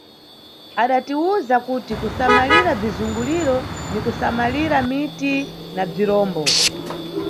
Adatiwuza kuti kusamalira bzizunguliro ni kusamalira miti na bzirombo.